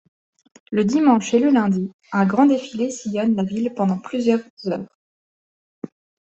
Le dimanche et le lundi, un grand défilé sillonne la ville pendant plusieurs heures.